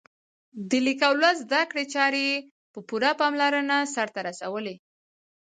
د لیک او لوست زده کړې چارې یې په پوره پاملرنه سرته رسولې.